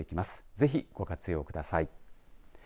ぜひご活用ください。